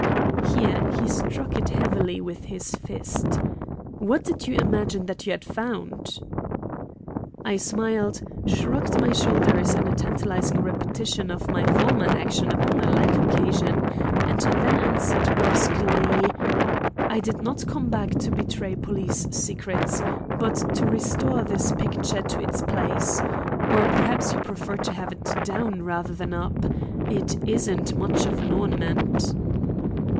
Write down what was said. Here he struck it heavily with his fist. "What did you imagine that you had found?" I smiled, shrugged my shoulders in tantalizing repetition of my former action upon a like occasion and then answered brusquely: "I did not come back to betray police secrets, but to restore this picture to its place. Or perhaps you prefer to have it down rather than up? It isn't much of an ornament."